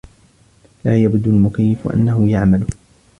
لا يبدو المكيف أنه يعمل.